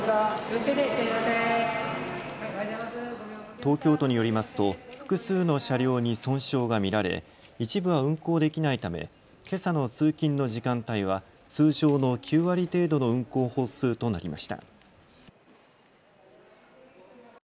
東京都によりますと複数の車両に損傷が見られ一部は運行できないためけさの通勤の時間帯は通常の９割程度の運行本数となりました。